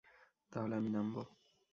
তাহলে আমি নামবো?